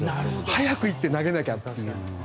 早く行って投げなきゃみたいな。